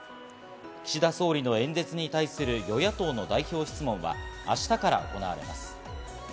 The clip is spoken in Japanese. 岸田総理の演説に対する与野党の代表質問は明日から行われます。